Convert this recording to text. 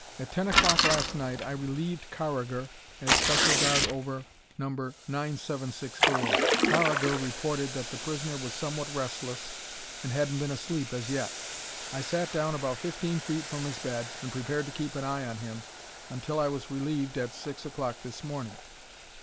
At ten o'clock last night, I relieved Carragher as special guard over No. 9764. Carragher reported that the prisoner was somewhat restless and hadn't been asleep as yet. I sat down about fifteen feet from his bed and prepared to keep an eye on him until I was relieved at six o'clock this morning.